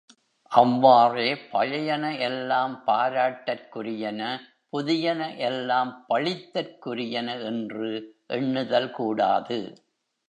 அவ்வாறே, பழையன எல்லாம் பாராட்டற்குரியன புதியன எல்லாம் பழித்தற்குரியன என்று எண்ணுதல் கூடாது.